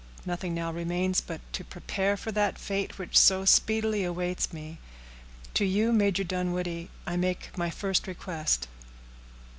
Nothing now remains but to prepare for that fate which so speedily awaits me. To you, Major Dunwoodie, I make my first request."